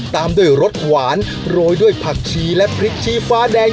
ตามด้วยรสหวานโรยด้วยผักชีและพริกชีฟ้าแดง